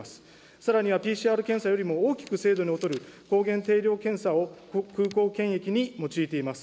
さらにはＰＣＲ検査よりも大きく精度の劣る抗原定量検査を空港検疫に用いています。